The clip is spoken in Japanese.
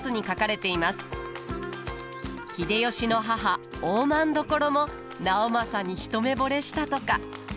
秀吉の母大政所も直政に一目ぼれしたとか。